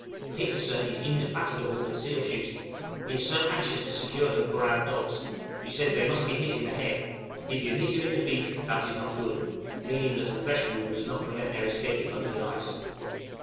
Petersen is indefatigable at seal shooting, he is so anxious to secure them for our dogs; he says they must be hit in the head; "if you hit him in the beef that is not good," meaning that a flesh wound does not prevent their escaping under the ice.